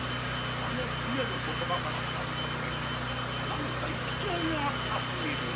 あの姫の言葉から察するに何か行き違いがあったとみるが。